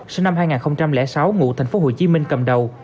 sinh năm hai nghìn sáu ngụ tp hcm cầm đầu